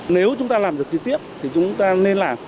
nếu chúng ta làm được trực tiếp thì chúng ta nên làm